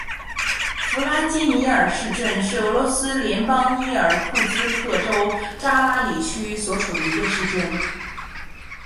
弗拉基米尔市镇是俄罗斯联邦伊尔库茨克州扎拉里区所属的一个市镇。